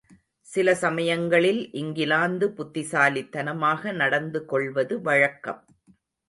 சில சமயங்களில் இங்கிலாந்து புத்திசாலித்தனமாக நடந்துகொள்வது வழக்கம்.